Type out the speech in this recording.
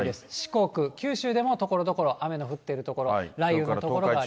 四国、九州でもところどころ雨の降っている所、雷雨の所がありま